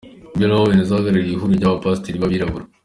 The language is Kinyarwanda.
Bill Owens uhagarariye ihuriro ryAbapasiteri b’Abirabura.